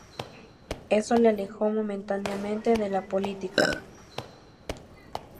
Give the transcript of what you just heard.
Eso le alejó momentáneamente de la política.